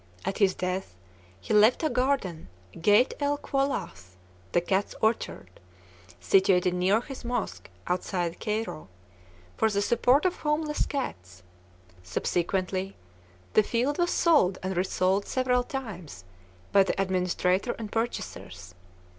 At his death, he left a garden, 'Gheyt el Quoltah' (the cats' orchard), situated near his mosque outside Cairo, for the support of homeless cats. Subsequently the field was sold and resold several times by the administrator and purchasers.